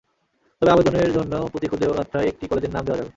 তবে আবেদনের জন্য প্রতি খুদে বার্তায় একটি কলেজের নাম দেওয়া যাবে।